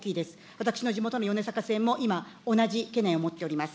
私の地元の米坂線も今同じ懸念を持っております。